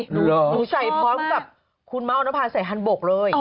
หนูใส่พร้อมกับคุณเมาสอนภาใส่ฮันบกเลย